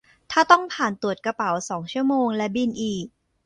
ถ้าต้องผ่านตรวจกระเป๋า สอง ชั่วโมงและบินอีก